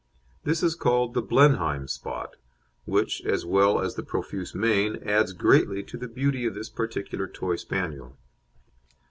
This is called the "Blenheim spot," which, as well as the profuse mane, adds greatly to the beauty of this particular Toy Spaniel.